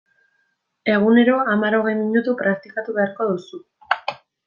Egunero hamar-hogei minutu praktikatu beharko duzu.